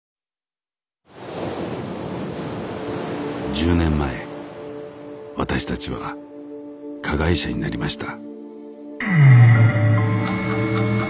１０年前私たちは「加害者」になりました。